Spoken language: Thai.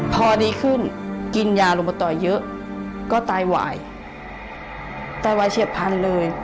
พอดีขึ้นกินยาลงมาต่อยเยอะก็ตายวายตายวายเฉียบพันธุ์เลย